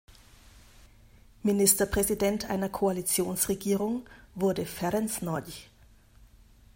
Ministerpräsident einer Koalitionsregierung wurde Ferenc Nagy.